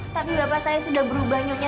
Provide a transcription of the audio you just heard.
tapi bapak saya sudah berubah nyonya